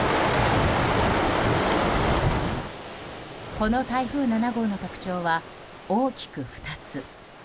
この台風７号の特徴は大きく２つ。